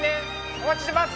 お待ちしてます！